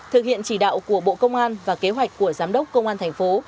thực hiện chỉ đạo của bộ công an và kế hoạch của giám đốc công an thành phố